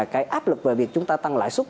cái áp lực về việc chúng ta tăng lãi suất